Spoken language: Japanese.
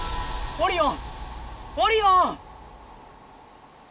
オリオン！